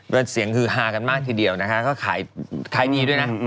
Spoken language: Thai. เป็นเสียงฮือฮากันมากทีเดียวนะคะก็ขายดีด้วยนะ